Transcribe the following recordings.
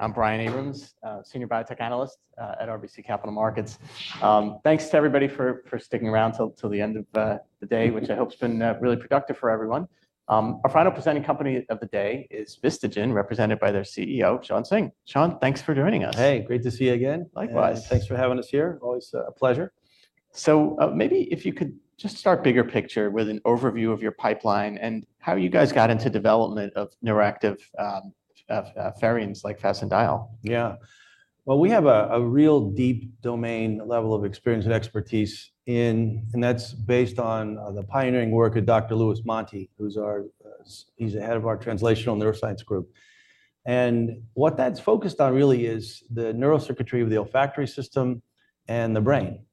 I'm Brian Abrahams, Senior Biotech Analyst at RBC Capital Markets. Thanks to everybody for sticking around till the end of the day, which I hope has been really productive for everyone. Our final presenting company of the day is Vistagen, represented by their CEO, Shawn Singh. Shawn, thanks for joining us. Hey, great to see you again. Likewise. Thanks for having us here. Always, a pleasure. Maybe if you could just start bigger picture with an overview of your pipeline and how you guys got into development of neuroactive Pherines like fasedienol. Yeah. Well, we have a real deep domain level of experience and expertise in, and that's based on the pioneering work of Dr. Louis Monti, who's our, he's the head of our translational neuroscience group. And what that's focused on really is the neural circuitry of the olfactory system and the brain,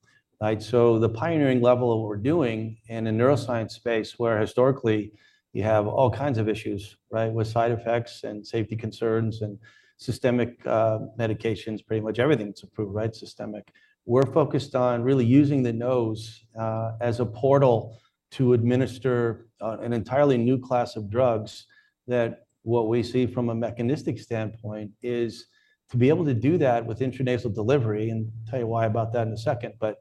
right? So the pioneering level of what we're doing in a neuroscience space, where historically you have all kinds of issues, right, with side effects and safety concerns and systemic medications, pretty much everything that's approved, right, systemic. We're focused on really using the nose, as a portal to administer, an entirely new class of drugs, that what we see from a mechanistic standpoint is to be able to do that with intranasal delivery, and tell you why about that in a second, but,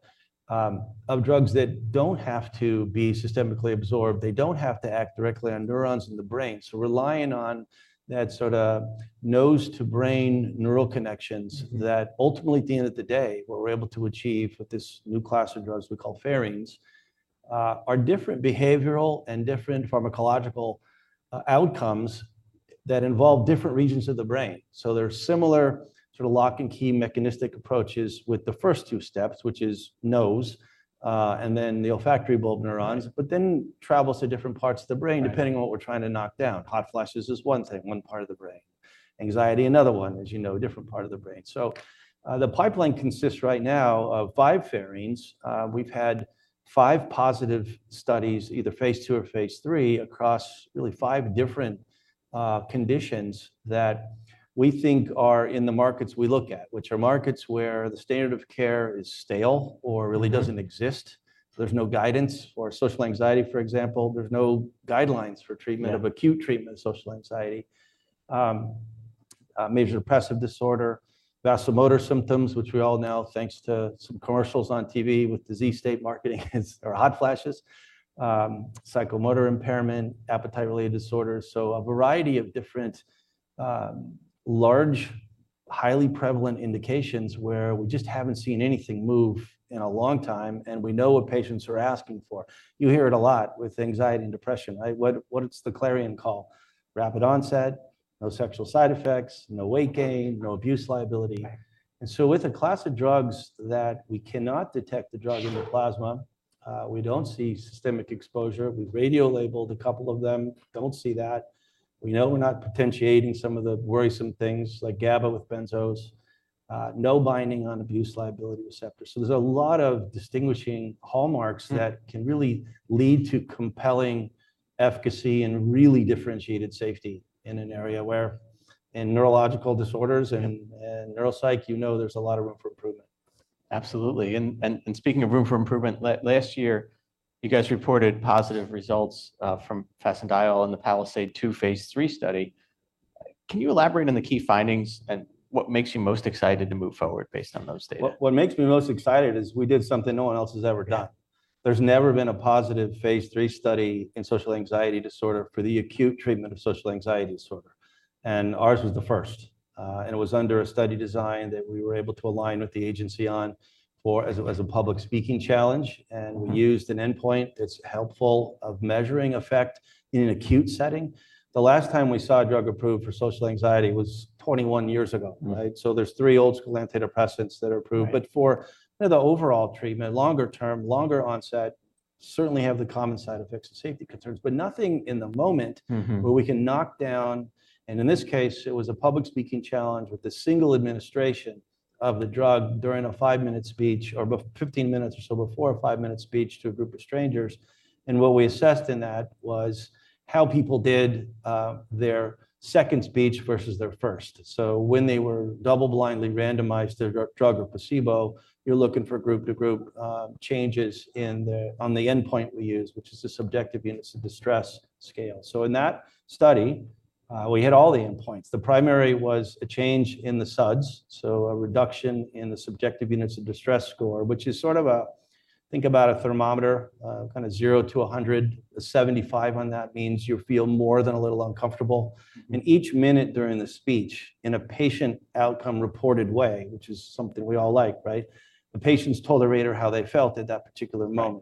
of drugs that don't have to be systemically absorbed, they don't have to act directly on neurons in the brain. So relying on that sort of nose-to-brain neural connections, that ultimately, at the end of the day, what we're able to achieve with this new class of drugs we call Pherines, are different behavioral and different pharmacological, outcomes that involve different regions of the brain. There are similar sort of lock and key mechanistic approaches with the first two steps, which is nose, and then the olfactory bulb neurons, but then travels to different parts of the brain, depending on what we're trying to knock down. Hot flashes is one thing, one part of the brain. Anxiety, another one, as you know, different part of the brain. The pipeline consists right now of five Pherines. We've had five positive studies, either Phase 2 or Phase 3, across really five different conditions that we think are in the markets we look at, which are markets where the standard of care is stale or really doesn't exist. There's no guidance for social anxiety, for example, there's no guidelines for treatment- Yeah.... of acute treatment of social anxiety. Major depressive disorder, vasomotor symptoms, which we all know, thanks to some commercials on TV with disease state marketing, are hot flashes, psychomotor impairment, appetite-related disorders. So a variety of different, large, highly prevalent indications where we just haven't seen anything move in a long time, and we know what patients are asking for. You hear it a lot with anxiety and depression, right? What is the clarion call? Rapid onset, no sexual side effects, no weight gain, no abuse liability. Right. And so with a class of drugs that we cannot detect the drug in the plasma, we don't see systemic exposure. We've radio labeled a couple of them, don't see that. We know we're not potentiating some of the worrisome things like GABA with benzos, no binding on abuse liability receptors. So there's a lot of distinguishing hallmarks that can really lead to compelling efficacy and really differentiated safety in an area where in neurological disorders and neuropsych, you know, there's a lot of room for improvement. Absolutely. Speaking of room for improvement, last year, you guys reported positive results from fasedienol in the PALISADE-2 phase 3 study. Can you elaborate on the key findings and what makes you most excited to move forward based on those data? What makes me most excited is we did something no one else has ever done. There's never been a positive phase 3 study in Social Anxiety Disorder for the acute treatment of Social Anxiety Disorder, and ours was the first. And it was under a study design that we were able to align with the agency on for as a public speaking challenge, and we used an endpoint that's helpful of measuring effect in an acute setting. The last time we saw a drug approved for social anxiety was 21 years ago, right? Mm-hmm. There's three old school antidepressant that are approved. Right. But for the overall treatment, longer term, longer onset, certainly have the common side effects and safety concerns, but nothing in the moment- Mm-hmm. where we can knock down, and in this case, it was a public speaking challenge with the single administration of the drug during a 5-minute speech, or 15 minutes or so before a 5-minute speech to a group of strangers, and what we assessed in that was how people did their second speech versus their first. So when they were double blindly randomized to drug or placebo, you're looking for group-to-group changes in the-- on the endpoint we use, which is the Subjective Units of Distress Scale. So in that study, we hit all the endpoints. The primary was a change in the SUDS, so a reduction in the Subjective Units of Distress score, which is sort of a, think about a thermometer, kinda 0 to 100. A 75 on that means you feel more than a little uncomfortable. Mm-hmm. Each minute during the speech, in a patient outcome reported way, which is something we all like, right? The patients told the rater how they felt at that particular moment-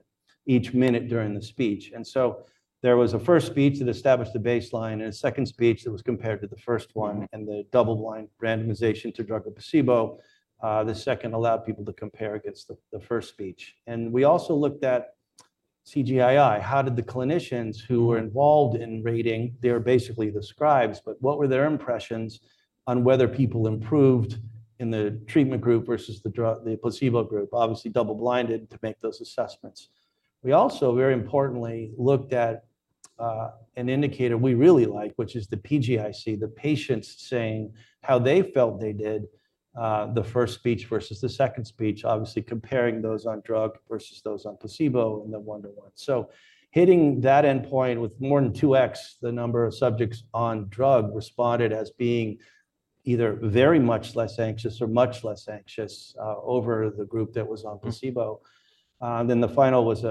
Right... each minute during the speech. And so there was a first speech that established a baseline, and a second speech that was compared to the first one, and the double blind randomization to drug or placebo. The second allowed people to compare against the first speech. And we also looked at CGI-I. How did the clinicians who were involved in rating, they're basically the scribes, but what were their impressions on whether people improved in the treatment group versus the placebo group? Obviously, double blinded to make those assessments. We also, very importantly, looked at an indicator we really like, which is the PGIC, the patients saying how they felt they did the first speech versus the second speech, obviously comparing those on drug versus those on placebo in the one-to-one. So hitting that endpoint with more than 2x, the number of subjects on drug responded as being either very much less anxious or much less anxious over the group that was on placebo. Then the final was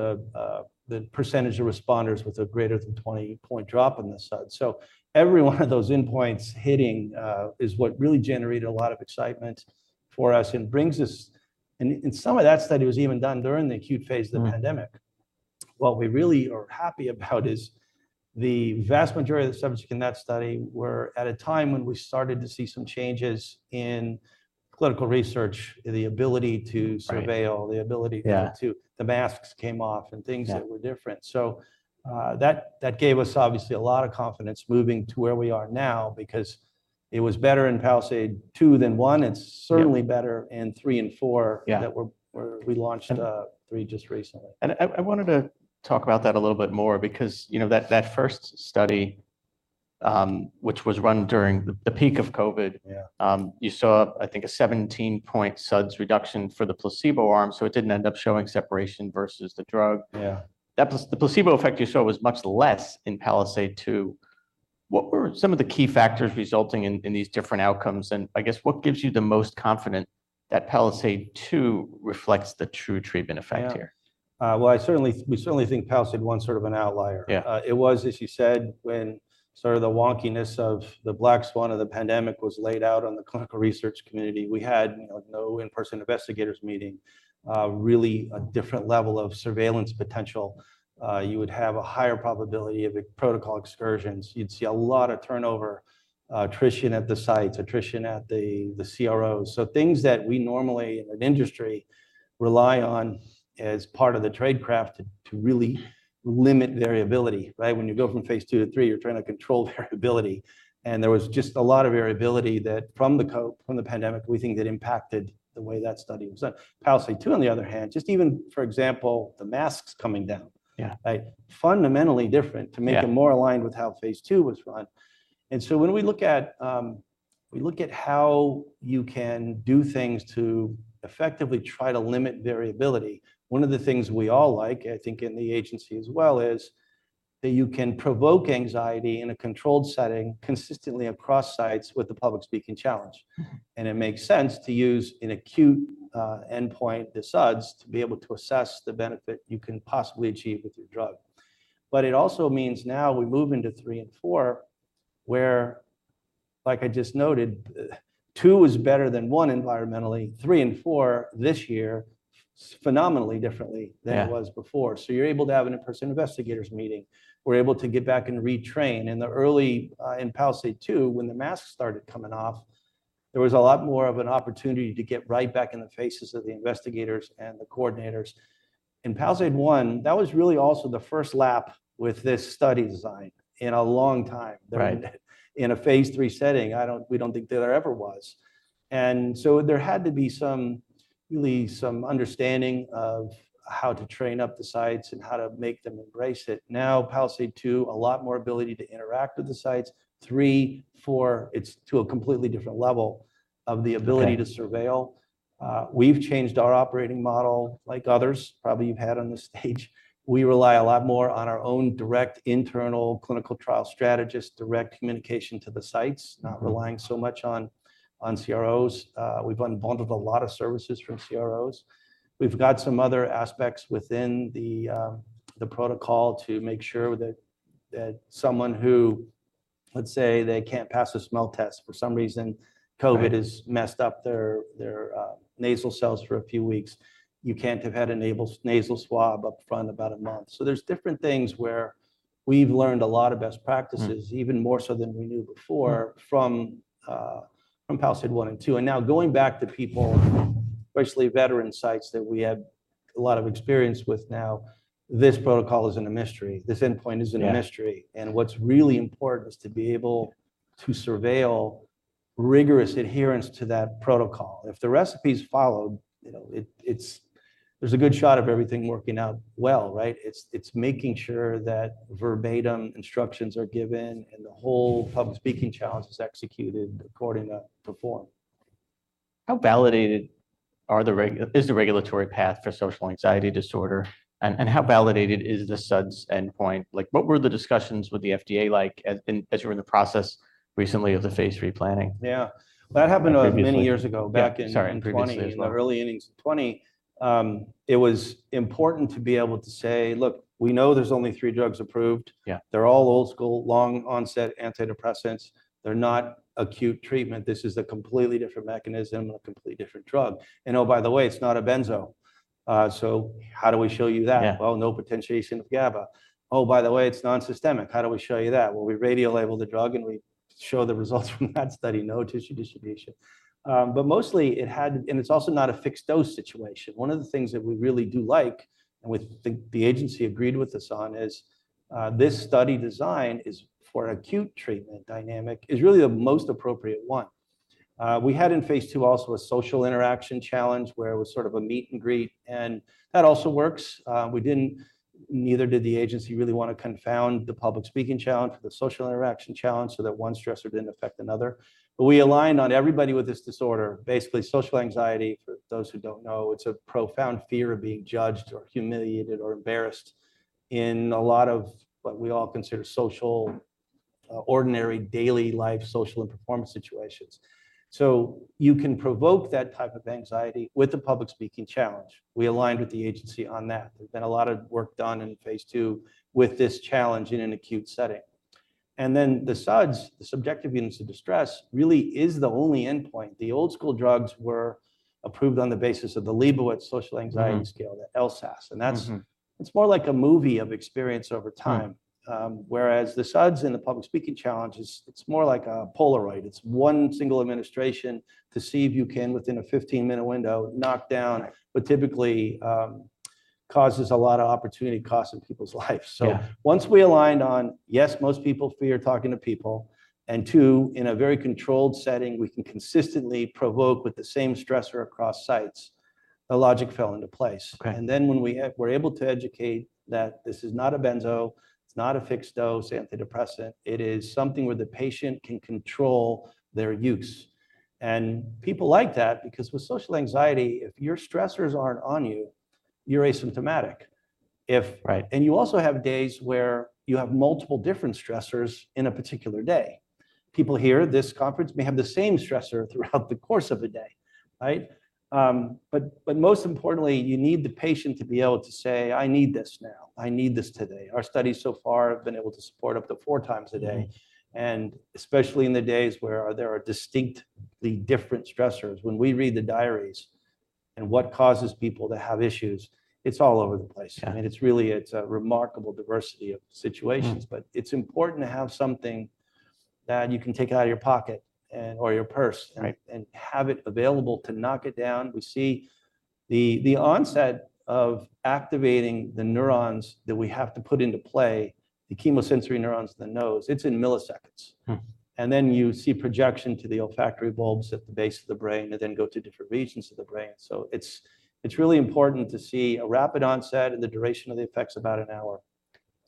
the percentage of responders with a greater than 20-point drop in the SUDS. So every one of those endpoints hitting is what really generated a lot of excitement for us and brings us and some of that study was even done during the acute phase of the pandemic. Mm. What we really are happy about is the vast majority of the subjects in that study were at a time when we started to see some changes in clinical research, the ability to surveil- Right. - the ability to- Yeah. The masks came off and things- Yeah... that were different. So, that, that gave us obviously a lot of confidence moving to where we are now, because it was better in PALISADE-2 than I. Yeah. It's certainly better in III and IV- Yeah - that we launched III just recently. And I wanted to talk about that a little bit more because, you know, that first study, which was run during the peak of COVID- Yeah... you saw, I think, a 17-point SUDS reduction for the placebo arm, so it didn't end up showing separation versus the drug. Yeah. The placebo effect you saw was much less in PALISADE-2. What were some of the key factors resulting in these different outcomes? And I guess, what gives you the most confidence that PALISADE-2 reflects the true treatment effect here? Yeah. Well, I certainly, we certainly think PALISADE-1 is sort of an outlier. Yeah. It was, as you said, when sort of the wonkiness of the black swan of the pandemic was laid out on the clinical research community. We had, you know, no in-person investigators meeting, really a different level of surveillance potential. You would have a higher probability of protocol excursions. You'd see a lot of turnover, attrition at the sites, attrition at the CROs. So things that we normally, in an industry, rely on as part of the tradecraft to really limit variability, right? When you go from Phase 2 to 3, you're trying to control variability. And there was just a lot of variability that from the COVID, from the pandemic, we think that impacted the way that study was done. PALISADE-2, on the other hand, just even, for example, the masks coming down. Yeah. Like, fundamentally different- Yeah - to make it more aligned with how phase II was run. And so when we look at how you can do things to effectively try to limit variability, one of the things we all like, I think in the agency as well, is that you can provoke anxiety in a controlled setting consistently across sites with the public speaking challenge. Mm-hmm. And it makes sense to use an acute endpoint, the SUDS, to be able to assess the benefit you can possibly achieve with your drug. But it also means now we move into III and IV, where, like I just noted, II is better than I environmentally. III and IV this year, phenomenally differently than it was before. Yeah. So you're able to have an in-person investigators meeting. We're able to get back and retrain. In PALISADE-II, when the masks started coming off, there was a lot more of an opportunity to get right back in the faces of the investigators and the coordinators. In PALISADE-I, that was really also the first lap with this study design in a long time. Right. In a phase III setting, we don't think there ever was. And so there had to be some, really some understanding of how to train up the sites and how to make them embrace it. Now, PALISADE-2, a lot more ability to interact with the sites. 3, 4, it's to a completely different level of the ability to surveil. Yeah. We've changed our operating model, like others, probably you've had on this stage. We rely a lot more on our own direct internal clinical trial strategist, direct communication to the sites- Mm-hmm. Not relying so much on CROs. We've unbundled a lot of services from CROs. We've got some other aspects within the protocol to make sure that someone who, let's say, they can't pass a smell test for some reason- Right... COVID has messed up their nasal cells for a few weeks. You can't have had a nasal swab up front about a month. So there's different things where we've learned a lot of best practices- Mm... even more so than we knew before- Mm... from, from PALISADE-1 and 2. Now, going back to people, especially veteran sites that we have a lot of experience with now, this protocol isn't a mystery. This endpoint isn't a mystery. Yeah. What's really important is to be able to surveil rigorous adherence to that protocol. If the recipe's followed, you know, it's a good shot of everything working out well, right? It's making sure that verbatim instructions are given, and the whole public speaking challenge is executed according to form. How validated is the regulatory path for social anxiety disorder, and how validated is the SUDS endpoint? Like, what were the discussions with the FDA like as you were in the process recently of the phase III planning? Yeah. Uh, previously. That happened many years ago. Yeah, sorry, in previously as well. Back in 2020, in the early innings of 2020, it was important to be able to say, "Look, we know there's only three drugs approved. Yeah. They're all old school, long onset antidepressants. They're not acute treatment. This is a completely different mechanism and a completely different drug. And oh, by the way, it's not a benzo. So how do we show you that? Yeah. Well, no potentiation of GABA. Oh, by the way, it's non-systemic. How do we show you that? Well, we radiolabel the drug, and we show the results from that study, no tissue distribution. But mostly and it's also not a fixed dose situation. One of the things that we really do like, and which the agency agreed with us on, is this study design for acute treatment dynamic is really the most appropriate one. We had in phase 2 also a social interaction challenge, where it was sort of a meet and greet, and that also works. We didn't; neither did the agency really wanna confound the public speaking challenge or the social interaction challenge, so that one stressor didn't affect another. But we aligned on everybody with this disorder. Basically, social anxiety, for those who don't know, it's a profound fear of being judged or humiliated or embarrassed in a lot of what we all consider ordinary daily life, social and performance situations. So you can provoke that type of anxiety with the public speaking challenge. We aligned with the agency on that. There's been a lot of work done in phase 2 with this challenge in an acute setting. And then the SUDS, the Subjective Units of Distress, really is the only endpoint. The old school drugs were approved on the basis of the Liebowitz Social Anxiety Scale- Mm-hmm. -the LSAS. Mm-hmm. It's more like a movie of experience over time. Right. Whereas the SUDS in the public speaking challenge is, it's more like a Polaroid. It's one single administration to see if you can, within a 15-minute window, knock down, but typically, causes a lot of opportunity costs in people's lives. Yeah. Once we aligned on yes, most people fear talking to people, and two, in a very controlled setting, we can consistently provoke with the same stressor across sites, the logic fell into place. Okay. And then we're able to educate that this is not a benzo, it's not a fixed-dose antidepressant, it is something where the patient can control their use. People like that because with social anxiety, if your stressors aren't on you, you're asymptomatic. If- Right. You also have days where you have multiple different stressors in a particular day. People here, this conference may have the same stressor throughout the course of a day, right? But most importantly, you need the patient to be able to say, "I need this now. I need this today." Our studies so far have been able to support up to four times a day. Mm-hmm. Especially in the days where there are distinctly different stressors. When we read the diaries and what causes people to have issues, it's all over the place. Yeah. I mean, it's really a remarkable diversity of situations. Mm. It's important to have something that you can take it out of your pocket or your purse- Right... and have it available to knock it down. We see the onset of activating the neurons that we have to put into play, the chemosensory neurons in the nose. It's in milliseconds. Hmm. And then you see projection to the olfactory bulbs at the base of the brain, and then go to different regions of the brain. So it's, it's really important to see a rapid onset and the duration of the effects about an hour.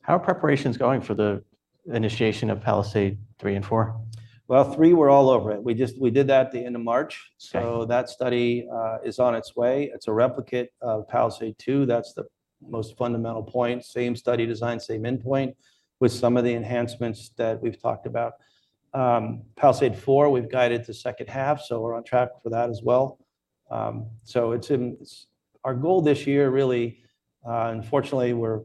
How are preparations going for the initiation of PALISADE-3 and PALISADE-4? Well, three, we're all over it. We just did that at the end of March. Okay. So that study is on its way. It's a replicate of PALISADE-2. That's the most fundamental point, same study design, same endpoint, with some of the enhancements that we've talked about. PALISADE-4, we've guided to second half, so we're on track for that as well. Our goal this year, really, and fortunately, we're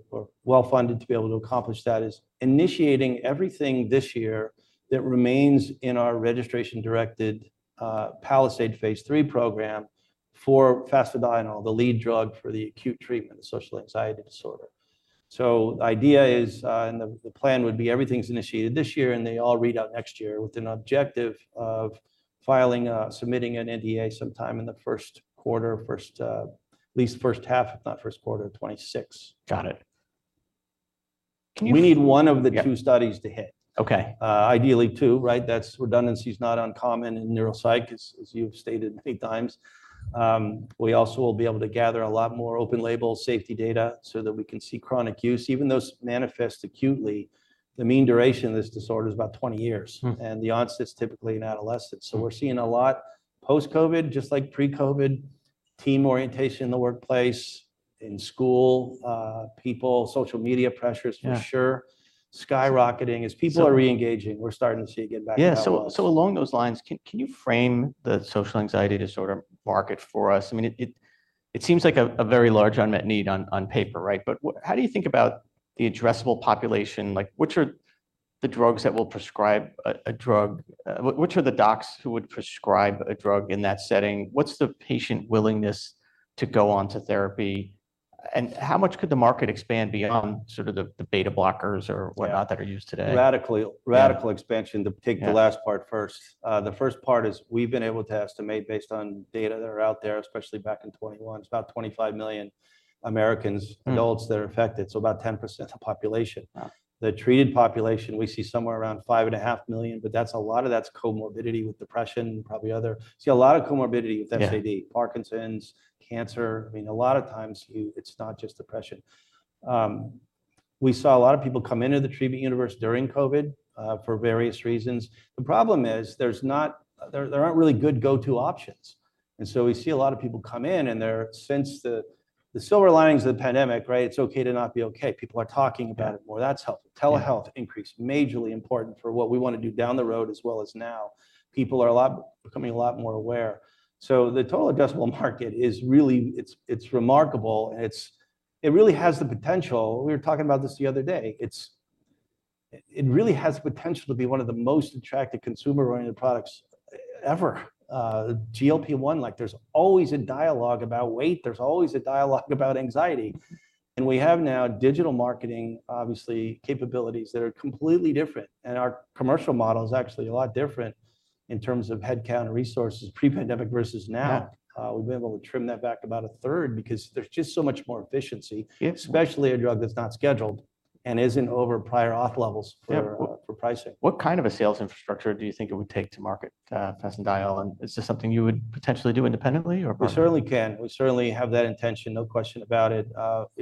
well funded to be able to accomplish that, is initiating everything this year that remains in our registration-directed PALISADE phase 3 program for Fasedienol, the lead drug for the acute treatment of social anxiety disorder. So the idea is, and the plan would be everything's initiated this year, and they all read out next year with an objective of filing, submitting an NDA sometime in the first quarter, first, at least the first half, if not first quarter of 2026. Got it. Can you- We need one of the two studies to hit. Okay. Ideally two, right? That's redundancy is not uncommon in neuropsych, as you've stated many times. We also will be able to gather a lot more open-label safety data so that we can see chronic use. Even those manifest acutely, the mean duration of this disorder is about 20 years- Hmm... and the onset is typically in adolescence. Mm. So we're seeing a lot post-COVID, just like pre-COVID, team orientation in the workplace, in school, people, social media pressures- Yeah... for sure, skyrocketing. As people are reengaging, we're starting to see it get back to normal. Yeah. So along those lines, can you frame the social anxiety disorder market for us? I mean, it seems like a very large unmet need on paper, right? But how do you think about the addressable population? Like, which are the docs who would prescribe a drug in that setting? What's the patient willingness to go on to therapy, and how much could the market expand beyond sort of the beta blockers or- Yeah... whatnot, that are used today? Radically- Yeah... radical expansion, to take- Yeah... the last part first. The first part is we've been able to estimate, based on data that are out there, especially back in 2021, it's about 25 million Americans- Mm... adults that are affected, so about 10% of the population. Wow! The treated population, we see somewhere around 5.5 million, but that's a lot of that's comorbidity with depression, probably other... See a lot of comorbidity with SAD- Yeah... Parkinson's, cancer. I mean, a lot of times, it's not just depression. We saw a lot of people come into the treatment universe during COVID, for various reasons. The problem is, there aren't really good go-to options. And so we see a lot of people come in, and they're since the silver linings of the pandemic, right? It's okay to not be okay. People are talking about it more. That's helpful. Yeah. Telehealth increased, majorly important for what we wanna do down the road as well as now. People are becoming a lot more aware. So the total addressable market is really... It's remarkable, and it really has the potential. We were talking about this the other day. It really has the potential to be one of the most attractive consumer-oriented products ever. GLP-1, like, there's always a dialogue about weight, there's always a dialogue about anxiety. And we have now digital marketing, obviously, capabilities that are completely different. And our commercial model is actually a lot different in terms of headcount and resources pre-pandemic versus now. Yeah. We've been able to trim that back about a third because there's just so much more efficiency- Yeah... especially a drug that's not scheduled and isn't over prior auth levels for- Yeah... for pricing. What kind of a sales infrastructure do you think it would take to market, fasedienol, and is this something you would potentially do independently or- We certainly can. We certainly have that intention, no question about it.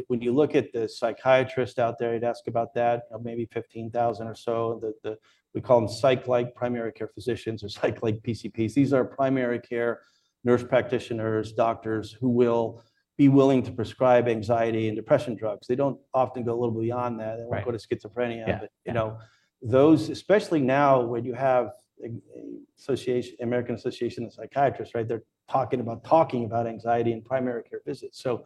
When you look at the psychiatrist out there, you'd ask about that, maybe 15,000 or so, we call them psych-like primary care physicians or psych-like PCPs. These are primary care nurse practitioners, doctors who will be willing to prescribe anxiety and depression drugs. They don't often go a little beyond that. Right. They won't go to schizophrenia. Yeah, yeah. But, you know, those, especially now, when you have the American Association of Psychiatrists, right? They're talking about anxiety in primary care visits. So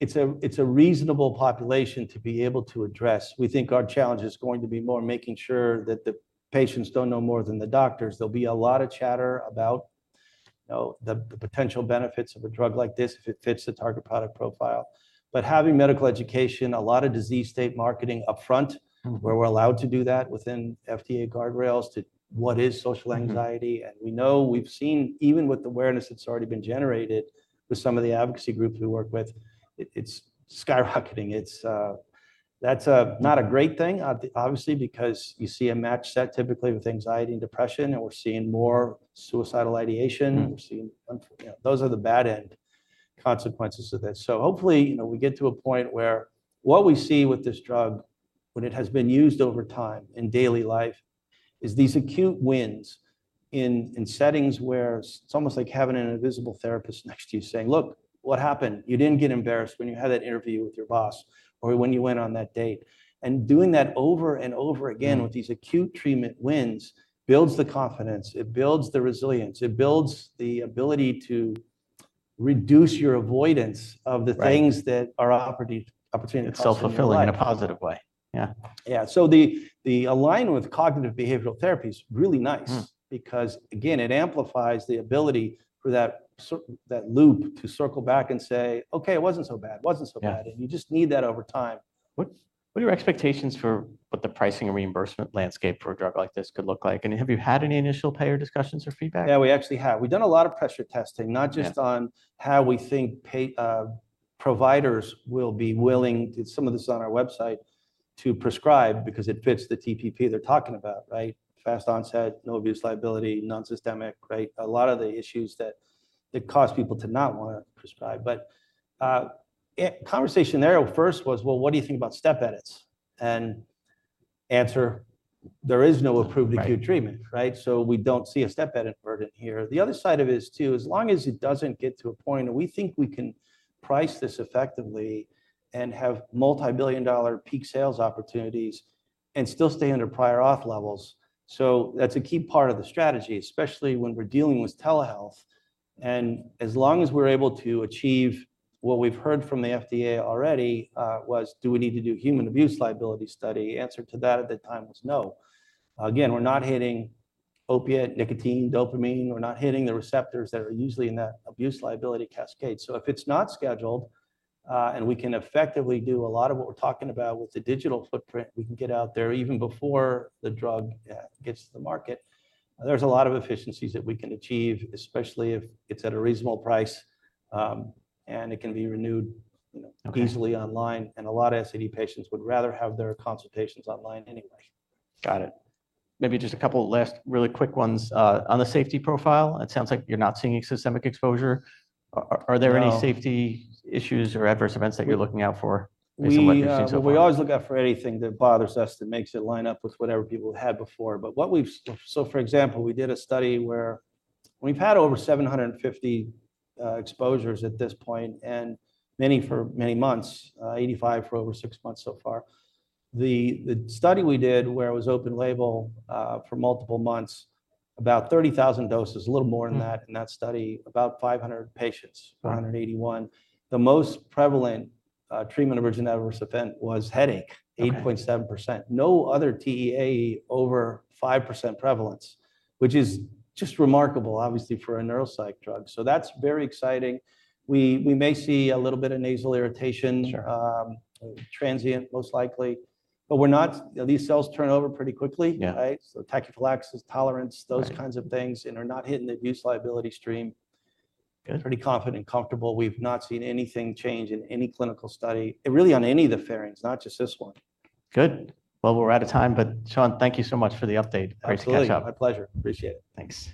it's a reasonable population to be able to address. We think our challenge is going to be more making sure that the patients don't know more than the doctors. There'll be a lot of chatter about, you know, the potential benefits of a drug like this if it fits the target product profile. But having medical education, a lot of disease state marketing upfront- Mm-hmm. -where we're allowed to do that within FDA guardrails, to what is social anxiety? Mm-hmm. We know we've seen, even with the awareness that's already been generated with some of the advocacy groups we work with, it's skyrocketing. It's, that's not a great thing, obviously, because you see a match set typically with anxiety and depression, and we're seeing more suicidal ideation. Mm. We're seeing... you know, those are the bad end consequences of this. So hopefully, you know, we get to a point where what we see with this drug, when it has been used over time in daily life, is these acute wins in settings where it's almost like having an invisible therapist next to you saying: "Look, what happened? You didn't get embarrassed when you had that interview with your boss, or when you went on that date." And doing that over and over again. Mm. With these acute treatment wins, builds the confidence, it builds the resilience, it builds the ability to reduce your avoidance of the Right. things that are opportunity. It's self-fulfilling in a positive way. Yeah. Yeah. So the alignment with cognitive behavioral therapy is really nice. Mm. Because, again, it amplifies the ability for that loop to circle back and say, "Okay, it wasn't so bad. It wasn't so bad. Yeah. You just need that over time. What are your expectations for what the pricing and reimbursement landscape for a drug like this could look like? And have you had any initial payer discussions or feedback? Yeah, we actually have. We've done a lot of pressure testing- Yeah... not just on how we think payers, providers will be willing, to some of this is on our website, to prescribe because it fits the TPP they're talking about, right? Fast onset, no abuse liability, non-systemic, right? A lot of the issues that cause people to not wanna prescribe. But, the conversation there first was, "Well, what do you think about step edits?" And answer: there is no approved- Right... acute treatment, right? So we don't see a step edit verdict here. The other side of it is, too, as long as it doesn't get to a point where we think we can price this effectively and have multi-billion dollar peak sales opportunities and still stay under prior off levels. So that's a key part of the strategy, especially when we're dealing with telehealth. And as long as we're able to achieve what we've heard from the FDA already, was, do we need to do human abuse liability study? Answer to that at the time was no. Again, we're not hitting opiate, nicotine, dopamine, we're not hitting the receptors that are usually in that abuse liability cascade. So if it's not scheduled, and we can effectively do a lot of what we're talking about with the digital footprint, we can get out there even before the drug gets to the market. There's a lot of efficiencies that we can achieve, especially if it's at a reasonable price, and it can be renewed, you know- Okay... easily online, and a lot of SAD patients would rather have their consultations online anyway. Got it. Maybe just a couple last really quick ones. On the safety profile, it sounds like you're not seeing systemic exposure. Are there any- No... safety issues or adverse events that you're looking out for, based on what you've seen so far? We always look out for anything that bothers us, that makes it line up with whatever people had before. But what we've so for example, we did a study where we've had over 750 exposures at this point, and many for many months, 85 for over six months so far. The study we did, where it was open label, for multiple months, about 30,000 doses, a little more than that. Mm... in that study, about 500 patients- Right... 481. The most prevalent, treatment-emergent adverse event was headache- Okay... 8.7%. No other TEAE over 5% prevalence, which is just remarkable, obviously, for a neuropsych drug. So that's very exciting. We may see a little bit of nasal irritation- Sure... transient, most likely. These cells turn over pretty quickly. Yeah. Right? So tachyphylaxis, tolerance- Right... those kinds of things, and are not hitting the abuse liability screen. Good. Pretty confident and comfortable. We've not seen anything change in any clinical study, and really on any of the pherines, not just this one. Good. Well, we're out of time, but Shawn, thank you so much for the update. Absolutely. Great to catch up. My pleasure. Appreciate it. Thanks.